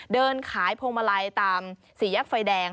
เดินขายพวงมาลัยตามสี่แยกไฟแดง